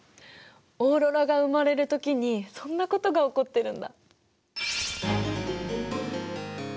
オーロラが生まれるときにそんなことが起こってるんだ。